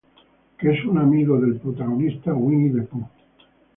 Que es un amigo del protagonista, Winnie the Pooh.